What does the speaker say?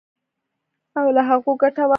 او له هغو ګټه واخلو.